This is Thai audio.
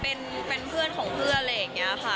เป็นเพื่อนของเพื่อนอะไรอย่างนี้ค่ะ